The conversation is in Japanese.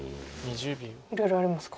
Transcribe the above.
いろいろありますか。